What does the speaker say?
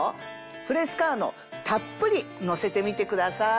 フレスカーノたっぷりのせてみてください。